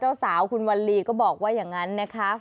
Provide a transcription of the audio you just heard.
เจ้าสาวคุณวัลลีก็บอกว่าอย่างนั้นนะคะ